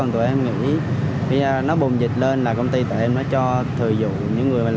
trả vé đó